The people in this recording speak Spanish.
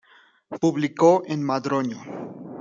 Publicó en Madroño.